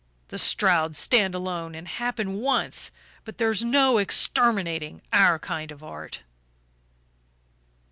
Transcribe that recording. The Strouds stand alone, and happen once but there's no exterminating our kind of art."